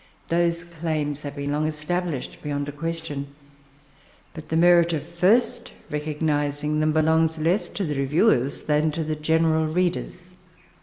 Those claims have been long established bejond a qnestion ; bnt the merit of first recoguifiing them belong less to reviewers than to getoeral readers."